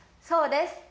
そうです。